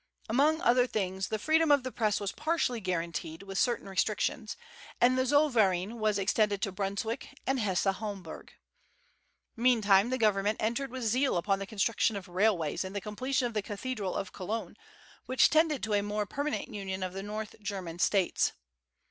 Among other things the freedom of the Press was partially guaranteed, with certain restrictions, and the Zollverein was extended to Brunswick and Hesse Homburg. Meantime the government entered with zeal upon the construction of railways and the completion of the Cathedral of Cologne, which tended to a more permanent union of the North German States.